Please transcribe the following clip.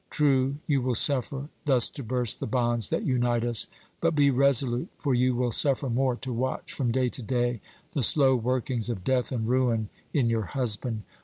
True, you will suffer, thus to burst the bonds that unite us; but be resolute, for you will suffer more to watch from day to day the slow workings of death and ruin in your husband.